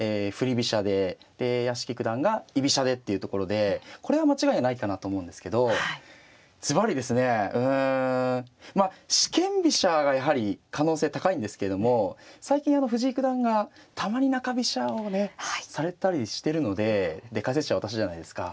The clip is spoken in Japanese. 飛車で屋敷九段が居飛車でっていうところでこれは間違いないかなと思うんですけれどずばりですねうんまあ四間飛車がやはり可能性高いんですけども最近あの藤井九段がたまに中飛車をねされたりしてるのでで解説者私じゃないですか。